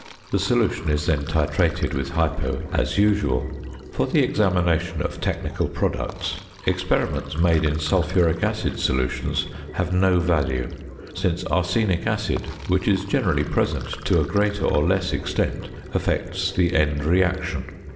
The solution is then titrated with "hypo" as usual. For the examination of technical products experiments made in sulphuric acid solutions have no value, since arsenic acid, which is generally present to a greater or less extent, affects the end reaction.